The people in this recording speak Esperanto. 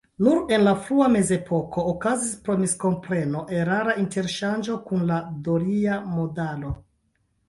Nur en la frua mezepoko okazis pro miskompreno erara interŝanĝo kun la doria modalo.